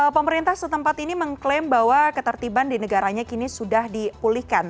pemerintah setempat ini mengklaim bahwa ketertiban di negaranya kini sudah dipulihkan